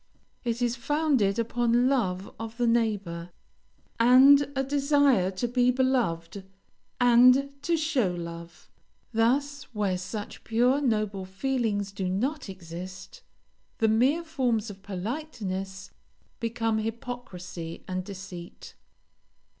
It is founded upon love of the neighbor, and a desire to be beloved, and to show love. Thus, where such pure, noble feelings do not exist, the mere forms of politeness become hypocrisy and deceit.